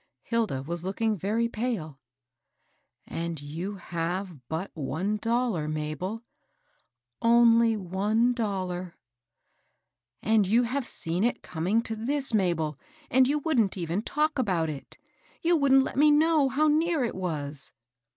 Hilda was looking very pale. " And you have but one dollar, Mabel ?'*" Only one dollar." " And you have seen it coming to this, Mabel I and you wouldn't even talk about it, — you wouldn't let me know how near it was